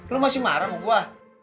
lo masih marah mau gue